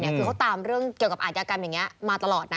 คือเขาตามเรื่องเกี่ยวกับอาชญากรรมอย่างนี้มาตลอดนะ